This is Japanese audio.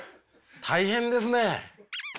大変ですね！